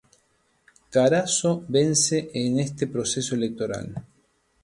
Carazo vence en este proceso electoral.